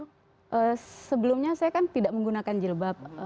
karena sebelumnya saya kan tidak menggunakan jilbab